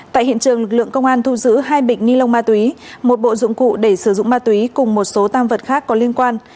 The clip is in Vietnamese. tại hiện trường lực lượng công an thu giữ hai bịch ni lông ma túy một bộ dụng cụ để sử dụng ma túy cùng một số tam vật khác có liên quan